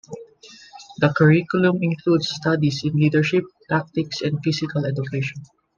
The curriculum includes studies in leadership, tactics and physical education.